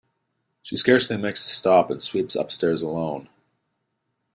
She scarcely makes a stop, and sweeps upstairs alone.